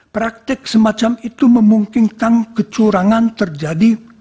praktek semacam itu memungkinkan kecurangan terjadi